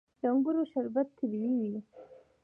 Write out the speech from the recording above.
د انګورو شربت طبیعي وي.